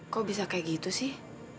kok bisa kayak gitu sih